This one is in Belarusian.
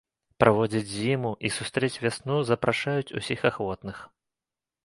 Праводзіць зіму і сустрэць вясну запрашаюць усіх ахвотных.